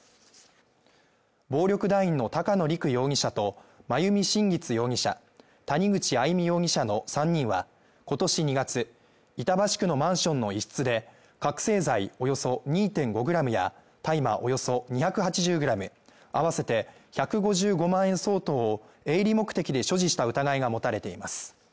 暴力団員の高野陸容疑者と真弓心月容疑者谷口愛美容疑者の３人は今年２月、板橋区のマンションの一室で覚醒剤およそ２．５ｇや大麻およそ２８０ｇ、合わせて１５５万円相当を営利目的で所持した疑いが持たれています。